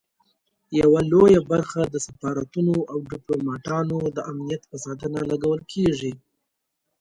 یوه لویه برخه د سفارتونو او ډیپلوماټانو د امنیت په ساتنه لګول کیږي.